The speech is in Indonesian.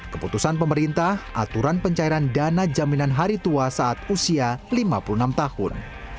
keputusan pemerintah aturan pencairan dana jaminan hadiah dan kegiatan kegiatan kegiatan